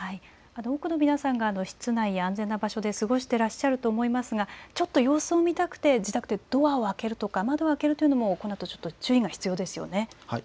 多くの皆さんが室内や安全な場所で過ごしていらっしゃると思いますが様子を見たくて自宅でドアを開けるとか窓を開けるとかこのあと注意が必要ですよね。